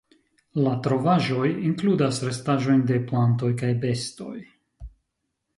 La trovaĵoj inkludas restaĵojn de plantoj kaj bestoj.